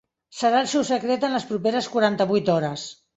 Serà el seu secret en les properes quaranta-vuit hores.